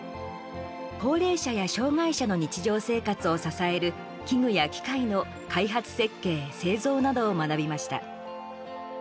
高齢者や障害者の日常生活を支える器具や機械の開発設計製造などを学びました。